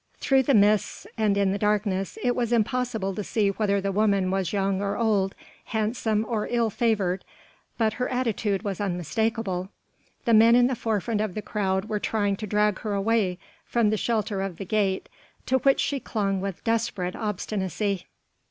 Through the mist and in the darkness it was impossible to see whether the woman was young or old, handsome or ill favoured, but her attitude was unmistakable. The men in the forefront of the crowd were trying to drag her away from the shelter of the gate to which she clung with desperate obstinacy.